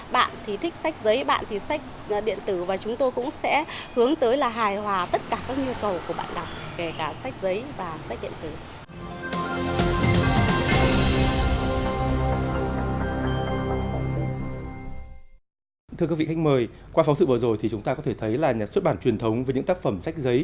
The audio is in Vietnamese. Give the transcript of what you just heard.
bạn thì thích sách giấy bạn thì sách điện tử và chúng tôi cũng sẽ hướng tới là hài hòa tất cả các nhu cầu của bạn đọc